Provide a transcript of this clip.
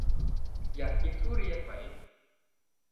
อยากกินทุเรียนไหม